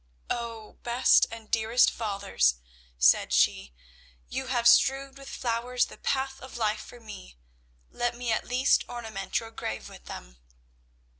"Oh, best and dearest of fathers," said she, "you have strewed with flowers the path of life for me. Let me at least ornament your grave with them."